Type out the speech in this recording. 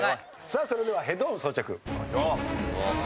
さあそれではヘッドホン装着。